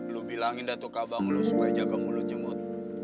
lu bilangin datuk kawang lu supaya jaga mulutnya mut